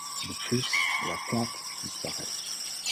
De plus, la plante disparaît.